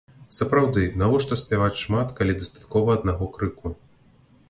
Сапраўды, навошта спяваць шмат, калі дастаткова аднаго крыку?